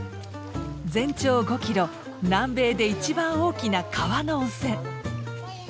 全長５キロ南米で一番大きな川の温泉。